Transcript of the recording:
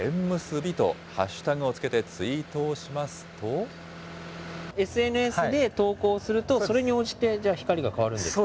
火とハッシュタグをつけてツイートをしＳＮＳで投稿すると、それに応じて、じゃあ光が変わるんですか。